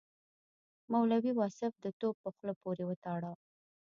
مولوي واصف د توپ په خوله پورې وتاړه.